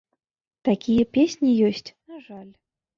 Такія песні ёсць, на жаль.